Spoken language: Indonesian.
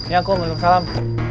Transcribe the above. ya kum waalaikumsalam